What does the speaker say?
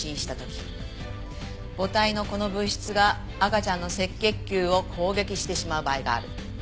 母体のこの物質が赤ちゃんの赤血球を攻撃してしまう場合がある。